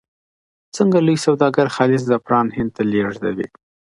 څنګه لوی سوداګر خالص زعفران هند ته لیږدوي؟